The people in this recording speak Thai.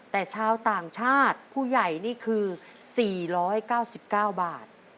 แต่ชาวต่างชาติผู้ใหญ่นี่คือ๔๙๙บาท